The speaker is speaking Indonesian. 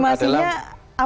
jadi yang kita tawarkan adalah